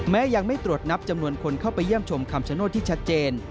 ยังไม่ตรวจนับจำนวนคนเข้าไปเยี่ยมชมคำชโนธที่ชัดเจน